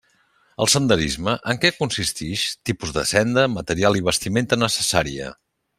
El senderisme: en què consistix?; tipus de senda, material i vestimenta necessària.